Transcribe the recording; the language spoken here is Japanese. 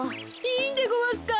いいんでごわすか？